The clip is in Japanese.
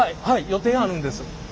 予定あるんです。